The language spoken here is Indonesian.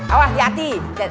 awas di hati